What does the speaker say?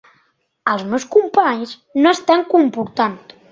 Els meus companys no s'estan comportant.